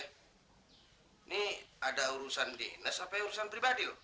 ini ada urusan dinas apa urusan pribadi lu